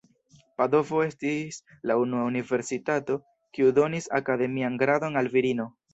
Padovo estis la unua universitato kiu donis akademian gradon al virino.